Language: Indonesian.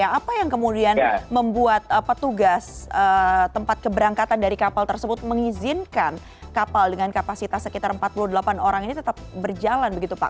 apa yang kemudian membuat petugas tempat keberangkatan dari kapal tersebut mengizinkan kapal dengan kapasitas sekitar empat puluh delapan orang ini tetap berjalan begitu pak